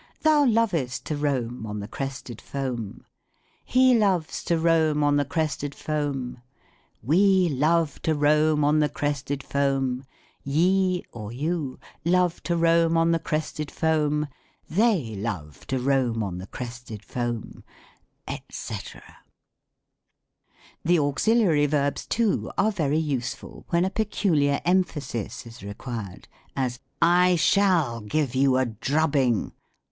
Thou lovest to roam on the crested foam. He loves to roam on tho crested foam, We love to roam on 60 THE COMIC ENGLISH GRAMMAR. the crested foam, Ye or you love to roam on the crested foam, They love to roam on the crested foam," &;c. The Auxiliary Verbs, too, are very useful when a peculiar emphasis is required : as, " I shall give you a drubbing!"